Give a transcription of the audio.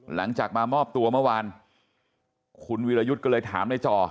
หลังจากมามอบตัวเมื่อวานคุณวิรยุทธ์ก็เลยถามในจอ